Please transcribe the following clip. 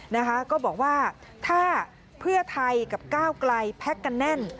นะคะก็บอกว่าถ้าเพื่อไทยกับก้าวไกลแพ็คกันแน่น